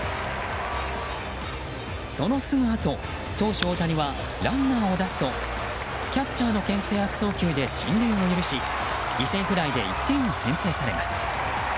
そのすぐあと、投手・大谷はランナーを出すとキャッチャーの牽制悪送球で進塁を許し犠牲フライで１点を先制されます。